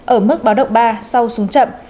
ở mức báo động ba sau xuống chậm